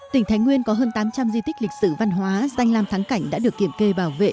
tỉnh thái nguyên có hơn tám trăm linh di tích lịch sử văn hóa danh làm thắng cảnh đã được kiểm kê bảo vệ